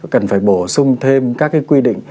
cần phải bổ sung thêm các cái quy định